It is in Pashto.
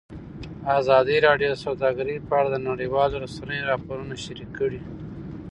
ازادي راډیو د سوداګري په اړه د نړیوالو رسنیو راپورونه شریک کړي.